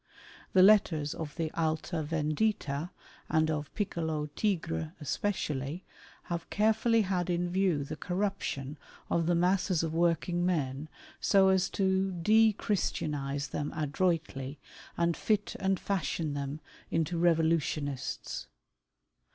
The letters of the Alta Vendita and of Piccolo Tigre especially, have carefully had in view the corruption of the masses of working men, so as to de Christianize them adroitly, and fit and fashion them into revolutionists.